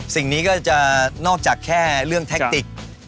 สิ่งนี้ก็จะนอกจากแค่เรื่องแท็กติก